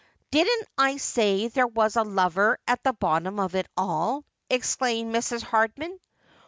' Didn't I say there was a lover at the bottom of it all? ' exclaimed Mrs. Hardman.